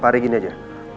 pak ri gini aja